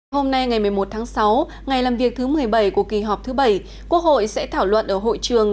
hôm nay ngày một mươi một tháng sáu ngày làm việc thứ một mươi bảy của kỳ họp thứ bảy quốc hội sẽ thảo luận ở hội trường